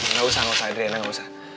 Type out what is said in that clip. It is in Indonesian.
nggak usah nggak usah adriana nggak usah